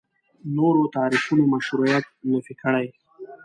نورو تعریفونو مشروعیت نفي کړي.